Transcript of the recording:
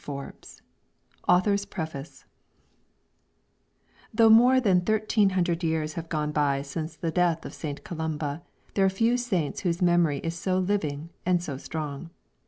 AUGUSTINE AUTHOR'S PREFACE THOUGH more than 1300 years have gone by since the death of St. Columba, there are few saints whose memory is so living and so strong.